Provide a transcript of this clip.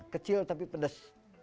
kecil tapi pedas